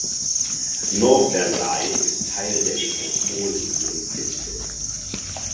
North Versailles ist Teil der Metropolregion Pittsburgh.